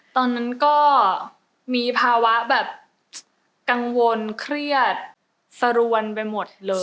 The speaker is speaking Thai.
ตอนนั้นก็มีภาวะแบบกังวลเครียดสรวนไปหมดเลย